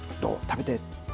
食べて。